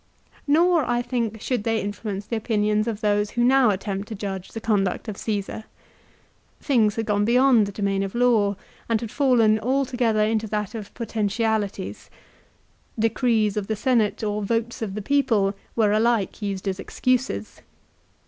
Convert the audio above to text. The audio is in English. Nor, I think, should they influence the opinions of those who now attempt to judge the conduct of Csesar. Things had gone beyond the domain of law, and had fallen altogether into that of potentialities. Decrees of the Seriate or votes of the people were alike used as excuses.